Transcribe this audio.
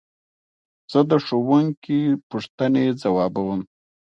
زه د ښوونکي پوښتنې ځوابوم.